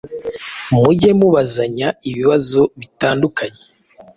mujye mubazanya ibibazo bitandukanye